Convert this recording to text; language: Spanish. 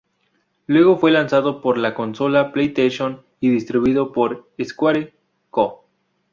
Luego fue lanzado para la consola PlayStation y distribuido por Square Co.